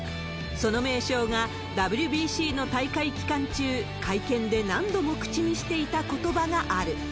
その名将が、ＷＢＣの大会期間中、会見で何度も口にしていたことばがある。